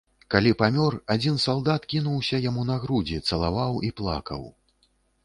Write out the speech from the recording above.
Калі памёр, адзін салдат кінуўся яму на грудзі, цалаваў і плакаў.